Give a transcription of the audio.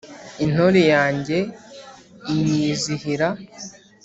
intore yanjye inyizihira.